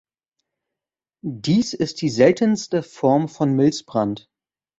Dies ist die seltenste Form von Milzbrand.